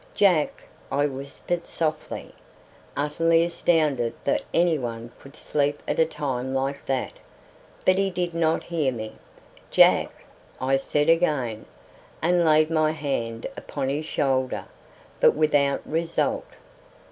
"Jack!" I whispered softly, utterly astounded that any one could sleep at a time like that; but he did not hear me. "Jack!" I said again, and laid my hand upon his shoulder, but without result.